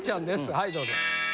はいどうぞ。